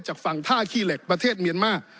จากฝั่งท่าขี้เหล็กประเทศเมียนมาร์